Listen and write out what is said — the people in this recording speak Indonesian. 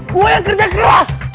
gua yang kerja keras